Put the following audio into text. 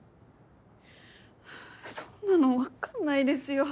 そんなの分かんないですよ。